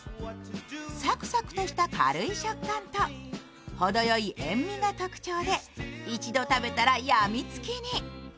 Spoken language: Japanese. サクサクとした軽い食感とほどよい塩みが特徴で一度食べたら、やみつにきに。